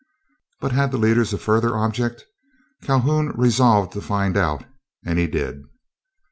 But had the leaders a further object? Calhoun resolved to find out, and he did.